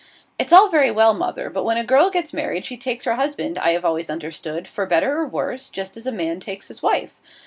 'It's all very well, mother, but when a girl gets married she takes her husband, I have always understood, for better or worse, just as a man takes his wife.